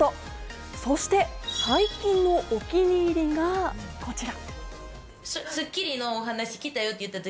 そして最近のお気に入りがこちら。